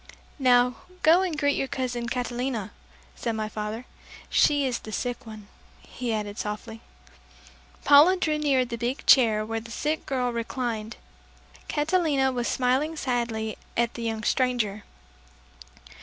"Now go and greet your cousin Catalina," said my father. "She is the sick one," he added softly. Paula drew near the big chair where the sick girl re clined. Catalina was smiling sadly at the young stranger.